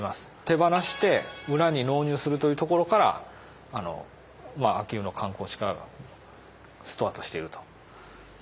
手放して村に納入するというところから秋保の観光地化がスタートしていると。